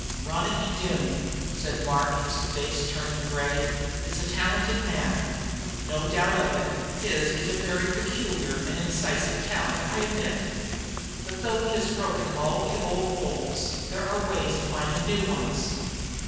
"Ronicky Doone," said Mark, his face turning gray, "is a talented man. No doubt of it; his is a very peculiar and incisive talent, I admit. But, though he has broken all the old holds, there are ways of finding new ones.